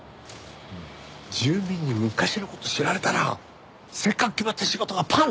住民に昔の事知られたらせっかく決まった仕事がパアになっちゃう！